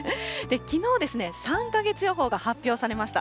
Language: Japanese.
きのうですね、３か月予報が発表されました。